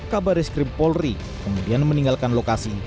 kabare skrim polri kemudian meninggalkan lokasi